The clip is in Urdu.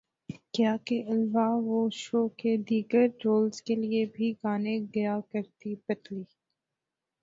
کیا کے الوا وو شو کے دیگر رولز کے لیے بھی گانے گیا کرتی پتلی